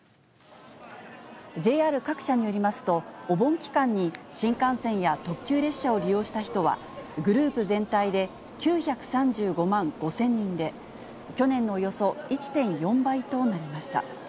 ＪＲ各社によりますと、お盆期間に新幹線や特急列車を利用した人は、グループ全体で９３５万５０００人で、去年のおよそ１．４倍となりました。